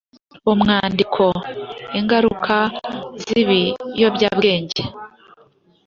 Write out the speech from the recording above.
Umwandiko: Ingaruka z’ibiyobyabwenge